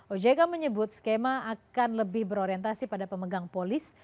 ojk menyebut skema akan lebih berorientasi pada pemegang polis